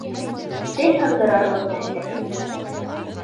Тел һындырырлыҡ нәҫтәкәй...